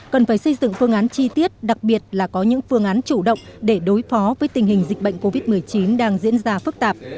cần phải xây dựng phương án chi tiết đặc biệt là có những phương án chủ động để đối phó với tình hình dịch bệnh covid một mươi chín đang diễn ra phức tạp